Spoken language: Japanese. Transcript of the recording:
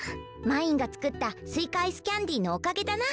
まいんが作ったすいかアイスキャンディーのおかげだな。